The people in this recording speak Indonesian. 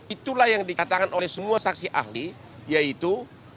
itulah yang dikatakan oleh semua saksi ahli yaitu